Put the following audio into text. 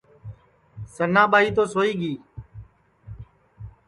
سننا ٻائی تو سوئی گی